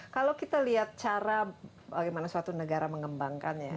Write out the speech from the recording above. kalau kita lihat cara bagaimana suatu negara mengembangkannya